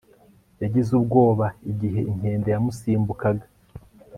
Yagize ubwoba igihe inkende yamusimbukaga